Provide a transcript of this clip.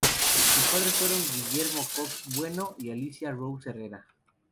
Sus padres fueron Guillermo Cox Bueno y Alicia Roose Herrera.